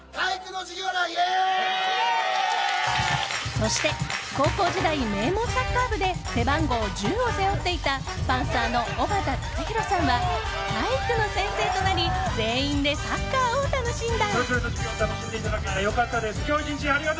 そして高校時代名門サッカー部で背番号１０を背負っていたパンサーの尾形貴弘さんは体育の先生となり全員でサッカーを楽しんだ。